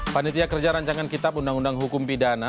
panitia kerja rancangan kitab undang undang hukum pidana